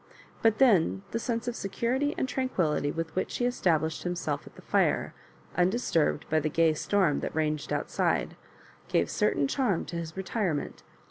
But then the sense of security and tranquillity with which he esta blished himself at the fire, uudisturbed by the gay storm that ranged outside, gave a certain charm to his retirement.